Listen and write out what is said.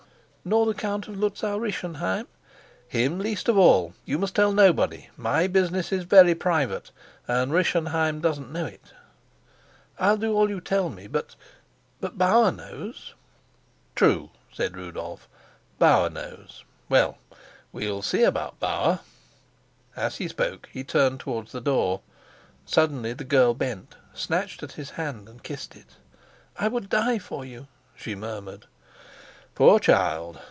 "Nor the Count of Luzau Rischenheim?" "Him least of all. You must tell nobody. My business is very private, and Rischenheim doesn't know it." "I'll do all you tell me. But but Bauer knows." "True," said Rudolf. "Bauer knows. Well, we'll see about Bauer." As he spoke he turned towards the door. Suddenly the girl bent, snatched at his hand and kissed it. "I would die for you," she murmured. "Poor child!"